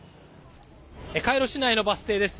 カイロ市内のバス停です。